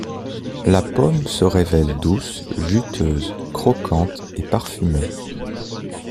La pomme se révèle douce, juteuse, croquante et parfumée.